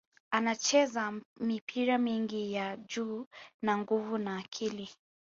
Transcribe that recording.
Anacheza mipira mingi ya juu na nguvu na akili